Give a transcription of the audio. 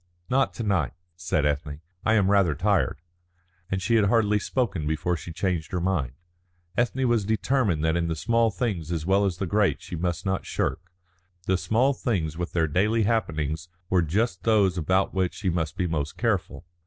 "Not to night," said Ethne. "I am rather tired." And she had hardly spoken before she changed her mind. Ethne was determined that in the small things as well as in the great she must not shirk. The small things with their daily happenings were just those about which she must be most careful.